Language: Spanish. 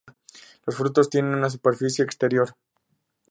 Los frutos tienen una superficie exterior lisa.